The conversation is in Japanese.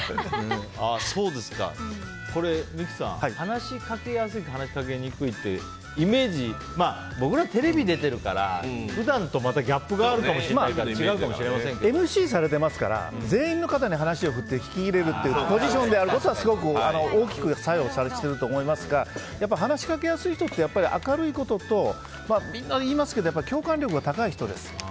これ、三木さん話しかけやすいと話しかけにくいってイメージ僕ら、テレビに出ているから普段とのギャップがあるからＭＣされていますから全員の方に話を振って聞き入れるっていうポジションであることはすごく大きく作用されていると思いますがやっぱり、話しかけやすい人って明るいこととみんな言いますけど共感力が高い人です。